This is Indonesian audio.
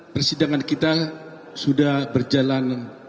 persidangan kita sudah berjalan